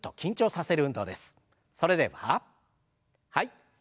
それでははい。